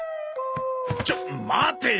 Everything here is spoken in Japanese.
ちょっと待てよ！